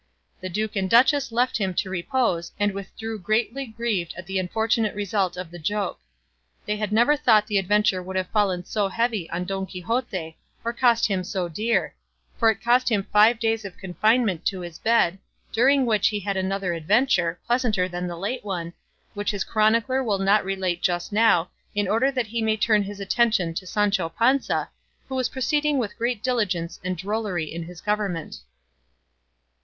The duke and duchess left him to repose and withdrew greatly grieved at the unfortunate result of the joke; as they never thought the adventure would have fallen so heavy on Don Quixote or cost him so dear, for it cost him five days of confinement to his bed, during which he had another adventure, pleasanter than the late one, which his chronicler will not relate just now in order that he may turn his attention to Sancho Panza, who was proceeding with great diligence and drollery in his government.